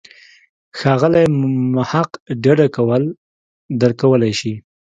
ښاغلی محق ډډه کول درک کولای شي.